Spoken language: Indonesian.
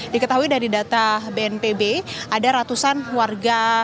diketahui dari data bnpb ada ratusan warga